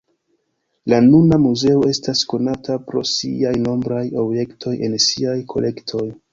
La nuna muzeo estas konata pro siaj nombraj objektoj en siaj kolektoj.